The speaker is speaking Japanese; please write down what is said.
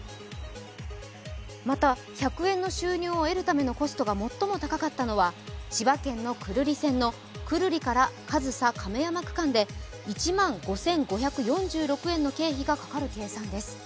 また、１００円の収入を得るためのコストが最も高かったのは千葉県の久留里線の久留里から上総亀山区間で、１万５５４６円の経費がかかるという計算です。